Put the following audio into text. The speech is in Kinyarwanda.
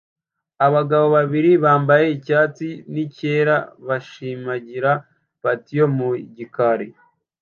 Abagabo babiri bambaye icyatsi nicyera bashimangira patio mu gikari